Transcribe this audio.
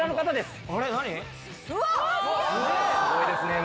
すごいですね。